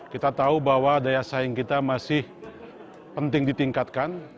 kita tahu bahwa daya saing kita masih penting ditingkatkan